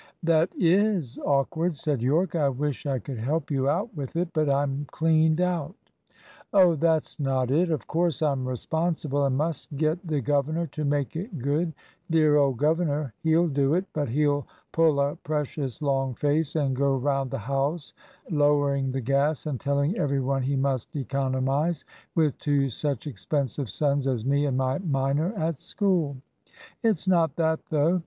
"That is awkward," said Yorke. "I wish I could help you out with it, but I'm cleaned out." "Oh, that's not it. Of course I'm responsible, and must get the governor to make it good. Dear old governor, he'll do it, but he'll pull a precious long face, and go round the house lowering the gas and telling every one he must economise, with two such expensive sons as me and my minor at school. It's not that, though.